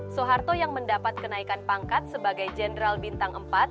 soeharto yang mendapat kenaikan pangkat sebagai jenderal bintang empat